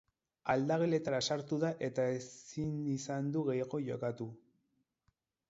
Aldageletara sartu da eta ezin izan du gehiago jokatu.